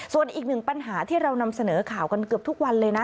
ส่วนอีกหนึ่งปัญหาที่เรานำเสนอข่าวกันเกือบทุกวันเลยนะ